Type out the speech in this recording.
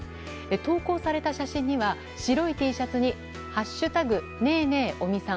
投稿された写真には白いＴシャツに「＃ねえねえ尾身さん」。